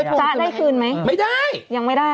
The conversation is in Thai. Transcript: จ้าได้คืนไหมยังไม่ได้ไม่ได้